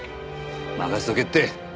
任せとけって。